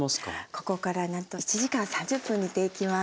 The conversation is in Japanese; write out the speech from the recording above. ここからなんと１時間３０分煮ていきます。